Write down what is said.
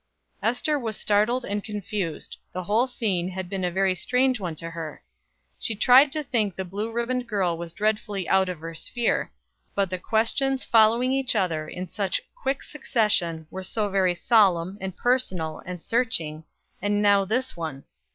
Ester was startled and confused. The whole scene had been a very strange one to her. She tried to think the blue ribboned girl was dreadfully out of her sphere; but the questions following each other in such quick succession, were so very solemn, and personal, and searching and now this one.